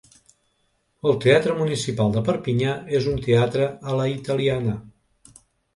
El teatre municipal de Perpinyà és un teatre a la italiana.